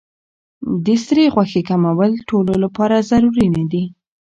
د سرې غوښې کمول ټولو لپاره ضروري نه دي.